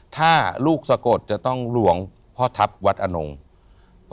ถ้าลูกสะกดจะต้องหลวงพ่อทัพวัดอนง